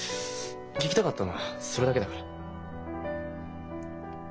聞きたかったのはそれだけだから。